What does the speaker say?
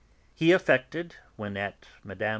He affected, when at Mme.